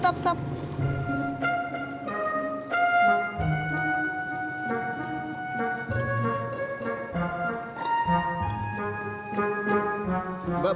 saya lihat banyak naik ojek